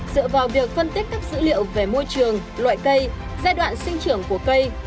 dựa vào việc phân tích các dữ liệu về môi trường loại cây giai đoạn sinh trưởng của cây